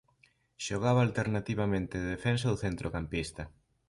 Xogaba alternativamente de defensa ou centrocampista.